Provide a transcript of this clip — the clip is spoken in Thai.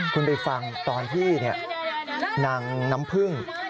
คุณไปฟังตอนที่นางน้ำพึ่ง